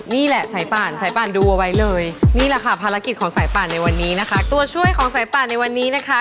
นี่แหละสายปั่นสายปั่นดูเอาไว้เลยนี่แหละค่ะภารกิจของสายปั่นในวันนี้นะคะ